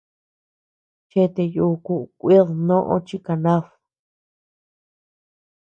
Chete yuku kuid noʼö chi kanad.